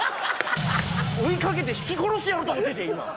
追いかけてひき殺してやろうと思ってて今。